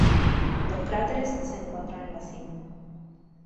Dos cráteres se encuentran en la cima.